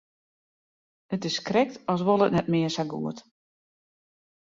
It is krekt as wol it net mear sa goed.